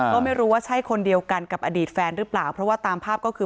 ก็ไม่รู้ว่าใช่คนเดียวกันกับอดีตแฟนหรือเปล่าเพราะว่าตามภาพก็คือ